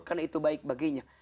karena itu baik baginya